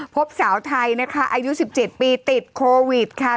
พบสาวไทยนะคะอายุ๑๗ปีติดโควิดค่ะ